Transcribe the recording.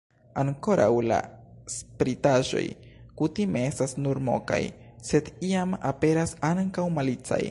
Ankoraŭ la spritaĵoj kutime estas nur mokaj, sed jam aperas ankaŭ malicaj.